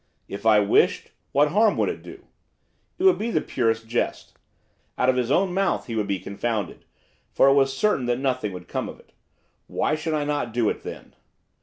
If I wished, what harm would it do! It would be the purest jest. Out of his own mouth he would be confounded, for it was certain that nothing would come of it. Why should I not do it then?